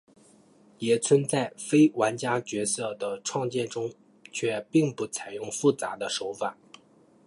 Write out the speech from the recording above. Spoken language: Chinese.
野村在非玩家角色的创建中却并不采用复杂的手法。